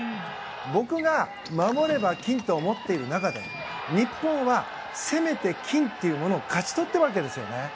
僕が、守れば金と思っている中で日本は攻めて金というものを勝ち取っているわけですよね。